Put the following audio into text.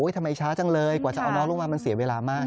ทำไมช้าจังเลยกว่าจะเอาน้องลงมามันเสียเวลามาก